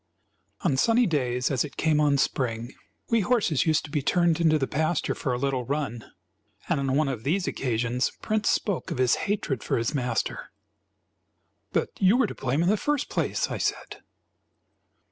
On sunny days, as it came on spring, we horses used to be turned into the pasture for a little run; and on one of these occasions Prince spoke of his hatred for his master. "But you were to blame in the first place," I said.